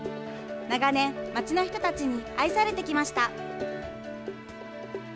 長年、街の人たちに愛されてきました。